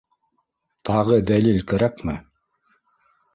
Тағы дәлил кәрәкме?!